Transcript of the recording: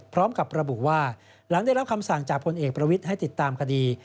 พร้อมกับระบุว่าหลังได้รับคำสั่งจากพลเอกประวิทย์ให้ติดตามคดี